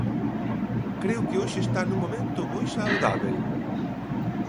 Creo que hoxe está nun momento moi saudábel.